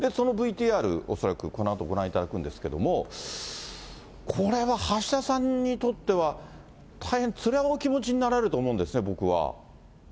そのＶＴＲ、恐らくこのあとご覧いただくんですけども、これは橋田さんにとっては、大変つらいお気持ちになられると思うんですね、僕は。